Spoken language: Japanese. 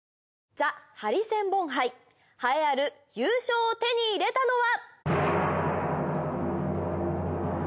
ＴＨＥハリセンボン杯栄えある優勝を手に入れたのは。